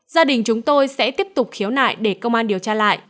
gia đình chúng tôi sẽ tiếp tục khiếu nại để công an điều tra lại